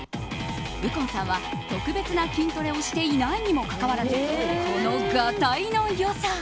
右近さんは特別な筋トレをしていないにもかかわらずこのがたいの良さ。